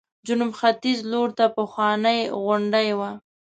جنوب ختیځ لورته پخوانۍ غونډۍ وه.